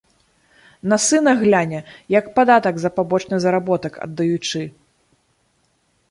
На сына гляне, як падатак за пабочны заработак аддаючы.